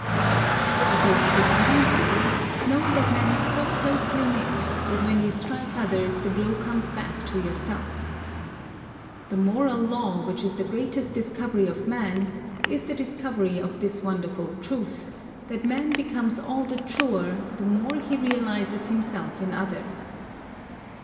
But those who can see, know that men are so closely knit, that when you strike others the blow comes back to yourself. The moral law, which is the greatest discovery of man, is the discovery of this wonderful truth, that man becomes all the truer, the more he realises himself in others.